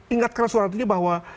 ingatkanlah suara hatinya bahwa